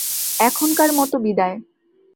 এখনকার মতো বিদায়।